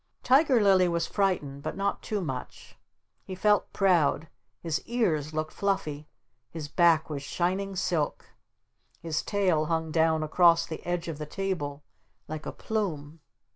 Tiger Lily was frightened, but not too much. He felt proud. His ears looked fluffy. His back was shining silk. His tail hung down across the edge of the table like a plume.